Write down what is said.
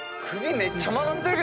めっちゃ曲がってるけど。